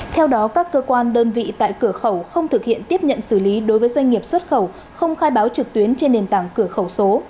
theo đó các cơ quan đơn vị tại cửa khẩu không thực hiện tiếp nhận xử lý đối với doanh nghiệp xuất khẩu không khai báo trực tuyến trên nền tảng cửa khẩu số